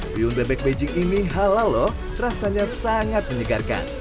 piung bebek beijing ini halal lho rasanya sangat menyegarkan